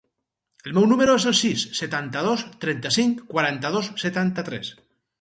El meu número es el sis, setanta-dos, trenta-cinc, quaranta-dos, setanta-tres.